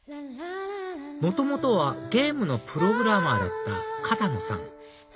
元々はゲームのプログラマーだった片野さん